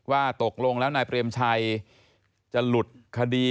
ว่าตกลงแล้วนายเปรมชัยจะหลุดคดี